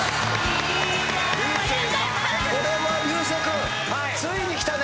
これは竜星君ついにきたね。